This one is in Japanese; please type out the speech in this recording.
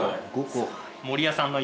５個。